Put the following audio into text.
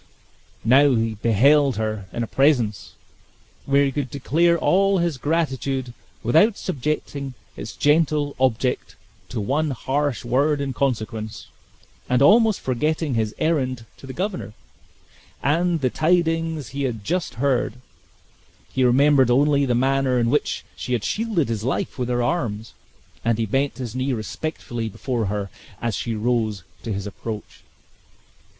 Now he beheld her in a presence, where he could declare all his gratitude without subjecting its gentle object to one harsh word in consequence, and almost forgetting his errand to the governor, and the tidings he had just heard, he remembered only the manner in which she had shielded his life with her arms, and he bent his knee respectfully before her as she rose to his approach.